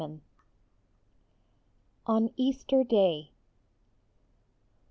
113 ON EASTER DAY.